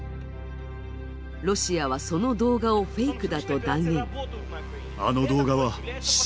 ロシアは、その動画をフェイクだと断言。